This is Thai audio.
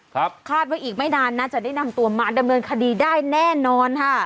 คาดว่าอีกไม่นานน่าจะได้นำตัวมาดำเนินคดีได้แน่นอนค่ะ